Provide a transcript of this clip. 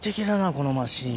このマシン。